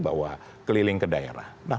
bahwa keliling ke daerah